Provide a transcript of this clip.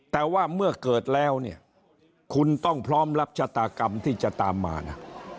แต่ว่าเมื่อเกิดแล้วเนี่ยคุณต้องพร้อมรับชะตากรรมที่จะตามมานะ